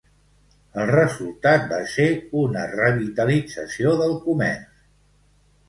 El resultat va ser una revitalització del comerç.